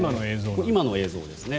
今の映像ですね。